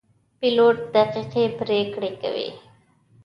پیلوټ دقیقې پرېکړې کوي.